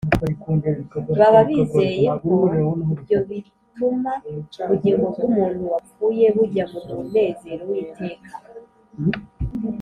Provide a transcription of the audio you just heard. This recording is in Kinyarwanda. baba bizeye ko ibyo bituma ubugingo bw’umuntu wapfuye bujya mu munezero w’iteka.